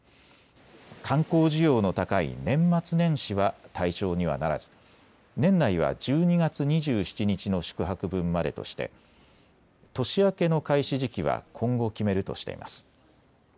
観光需要の高い年末年始は対象にはならず年内は１２月２７日の宿泊分までとして年明けの開始時期は今後、決めるとしています。